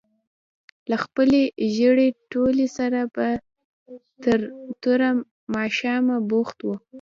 له خپلې ژېړې تولۍ سره به تر توره ماښامه بوخت وو.